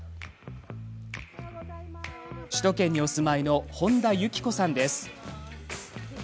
首都圏にお住まいの本多由季子さんです。